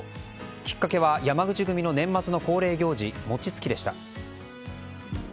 きっかけは山口組の年末恒例行事餅つきでした。